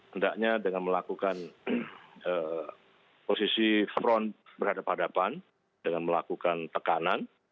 hendaknya dengan melakukan posisi front berhadapan hadapan dengan melakukan tekanan